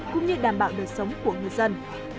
cũng như đảm bảo đời sống của người dân